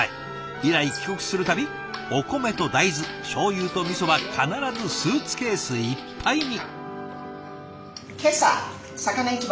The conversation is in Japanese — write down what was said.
以来帰国する度お米と大豆しょうゆと味は必ずスーツケースいっぱいに。